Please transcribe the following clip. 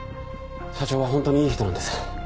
社長は本当にいい人なんです。